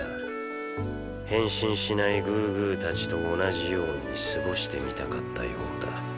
変身しないグーグー達と同じように過ごしてみたかったようだ。